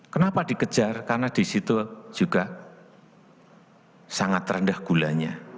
kenapa dikejar karena disitu juga sangat rendah gulanya